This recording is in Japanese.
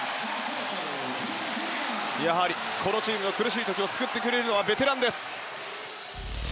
やはりこのチームが苦しい時を救ってくれるのはベテランです。